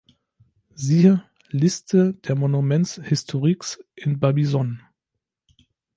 Siehe: Liste der Monuments historiques in Barbizon